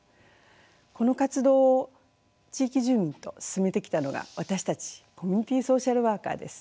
この活動を地域住民と進めてきたのが私たちコミュニティソーシャルワーカーです。